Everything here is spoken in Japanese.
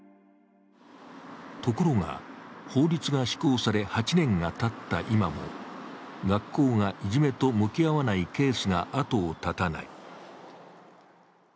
ところが、法律が施行され８年がたった今も学校がいじめと向き合わないケースが後を絶たない。